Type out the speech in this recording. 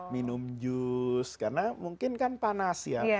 minum jus karena mungkin kan panas ya